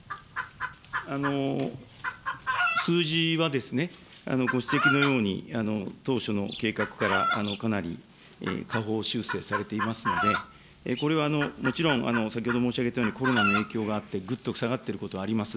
数字はですね、ご指摘のように当初の計画からかなり下方修正されていますので、これはもちろん、先ほど申し上げたように、コロナの影響があって、ぐっと下がっていることはあります。